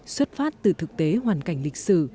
xuất phát từ thực tế hoàn cảnh lịch sử